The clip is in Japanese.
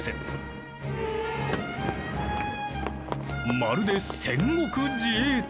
まるで戦国自衛隊！